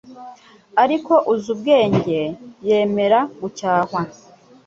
ariko uzi ubwenge yemera gucyahwa